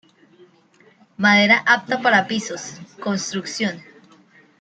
Madera apta para pisos, construcción.